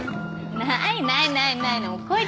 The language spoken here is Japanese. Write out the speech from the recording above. ないないないないない。